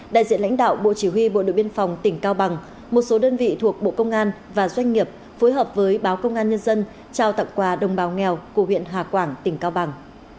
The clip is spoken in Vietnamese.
đại diện lãnh đạo bộ chỉ huy bộ đội biên phòng tỉnh cao bằng một số đơn vị thuộc bộ công an và doanh nghiệp phối hợp với báo công an nhân dân trao tặng quà đồng bào nghèo của huyện hà quảng tỉnh cao bằng